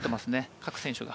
各選手が。